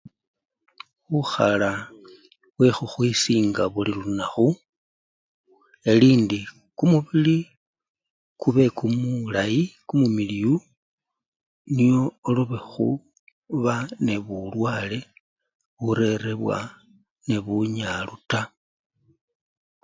Bukhala bwekhukhwisinga buli lunakhu eli-indi kumubili kube kumulayi kumumiliyu nyo olobekhuba nebulwale bulerebwa nebunyalu taa.